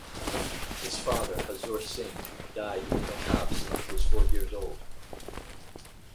His father Hazur Singh died when Mehtab Singh was four years old.